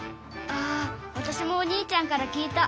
あわたしもお兄ちゃんから聞いた。